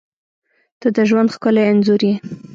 • ته د ژوند ښکلی انځور یې.